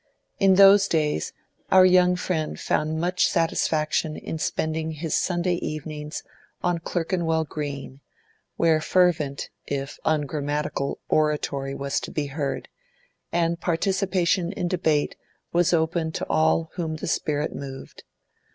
In those days, our young friend found much satisfaction in spending his Sunday evenings on Clerkenwell Green, where fervent, if ungrammatical, oratory was to be heard, and participation in debate was open to all whom the spirit moved.